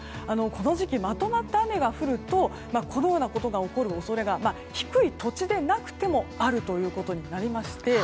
この時期まとまった雨が降るとこのようなことが起こる恐れが低い土地でなくてもあるということになりまして。